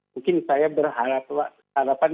mungkin saya berharapan